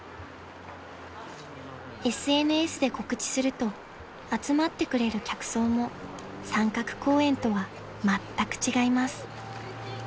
［ＳＮＳで告知すると集まってくれる客層も三角公園とはまったく違います］